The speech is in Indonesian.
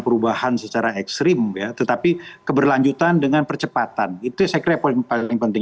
perubahan secara ekstrim ya tetapi keberlanjutan dengan percepatan itu saya kira paling penting